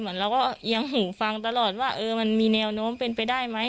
เราก็เอียงหูฟังตลอดว่ามันมีแนวโน้มเป็นไปได้ไหม